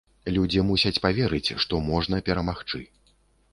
Людзі мусяць паверыць, што можна перамагчы.